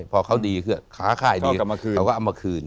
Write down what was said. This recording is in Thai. พอเขาดีค้าขายดีเขาก็เอามาคืน